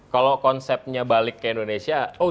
kalau konsepnya balik ke indonesia